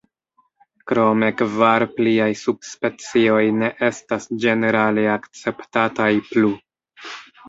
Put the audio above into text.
Krome kvar pliaj subspecioj ne estas ĝenerale akceptataj plu.